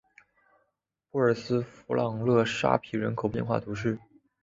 布尔斯弗朗勒沙皮人口变化图示